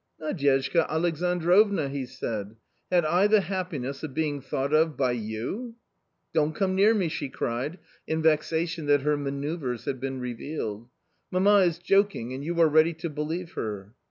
" Nadyezhda Alexandrovna !" he said, " had I the happi ness of being thought of by you ?"" Don't come near me !" she cried, in vexation that her manoeuvres had been revealed. " Mamma is joking, and you are ready to believe her."